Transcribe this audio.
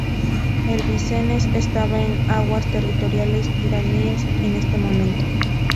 El "Vincennes" estaba en aguas territoriales iraníes en este momento.